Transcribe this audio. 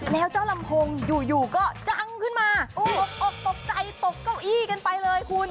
แล้วเจ้าลำโพงอยู่ก็ดังขึ้นมาตกอกตกใจตกเก้าอี้กันไปเลยคุณ